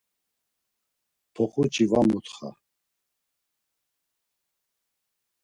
Poxuç̌i var mutxa!